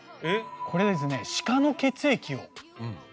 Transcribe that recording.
これですね。